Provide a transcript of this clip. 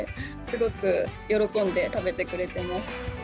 すごく喜んで食べてくれてます。